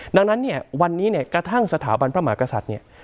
ดังนั้นเนี่ยวันนี้เนี่ยกระทั่งสถาบันพระมหากษัตริย์เนี่ย